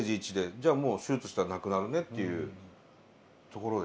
じゃあもう手術したらなくなるね」っていうところで。